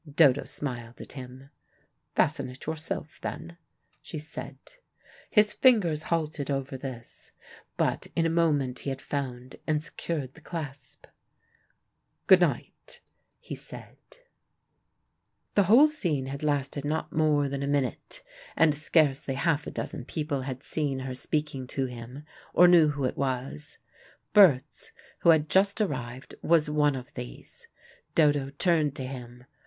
Dodo smiled at him. "Fasten it yourself, then," she said. His fingers halted over this, but in a moment he had found and secured the clasp. "Good night," he said. The whole scene had lasted not more than a minute, and scarcely half a dozen people had seen her speaking to him, or knew who it was. Berts, who had just arrived, was one of these. Dodo turned to him.